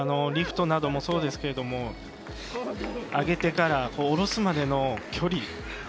リフトなどもそうですけれども上げてから、降ろすまでの距離。